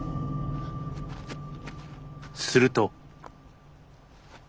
すると。